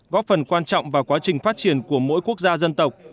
góp phần quan trọng vào quá trình phát triển của mỗi quốc gia dân tộc